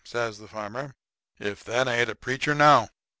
says farmer, "if thar ain't a preacher now!"